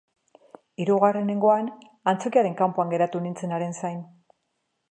Hirugarrengoan antzokiaren kanpoan geratu nintzen haren zain.